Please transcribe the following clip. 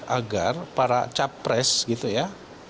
agar para capres gitu ya